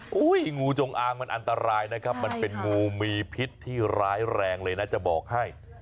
งูจงอางมันอันตรายนะครับมันเป็นงูมีพิษที่ร้ายแรงเลยนะจะบอกให้